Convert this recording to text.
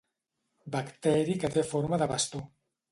Bacteri que té forma de bastó.